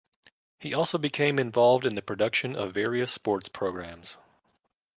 He also became involved in the production of various sports programmes.